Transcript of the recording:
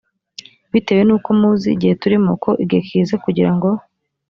bitewe n uko muzi igihe turimo ko igihe kigeze kugira ngo